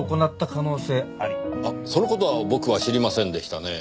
あっその事は僕は知りませんでしたねぇ。